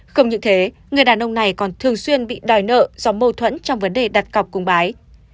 không những thế người đàn ông này còn thường xuyên bị đòi nợ do mâu thuẫn trong vấn đề đặt cọc cùng bái